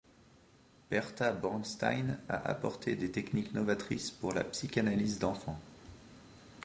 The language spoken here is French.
Berta Bornstein a apporté des techniques novatrices pour la psychanalyse d'enfants.